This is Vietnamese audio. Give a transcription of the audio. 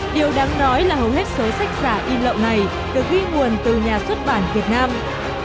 điều đáng nói là hầu hết số sách giả in lậu này được ghi nguồn từ nhà xuất bản việt nam